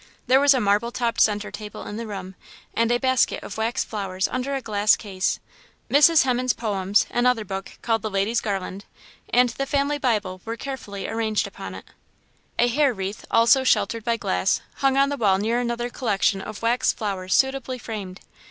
There was a marble topped centre table in the room, and a basket of wax flowers under a glass case, Mrs. Hemans's poems, another book, called The Lady's Garland, and the family Bible were carefully arranged upon it. A hair wreath, also sheltered by glass, hung on the wall near another collection of wax flowers suitably framed.